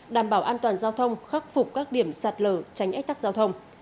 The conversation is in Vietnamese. đảm bảo an toàn giao thông khắc phục các điểm sạt lở tránh ách tắc giao thông